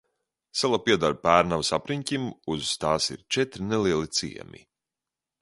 Sala pieder Pērnavas apriņķim, uz tās ir četri nelieli ciemi.